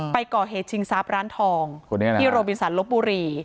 ไปก่อเหตุชิงทรัพย์ร้านทองที่โรบินสันลบบุรี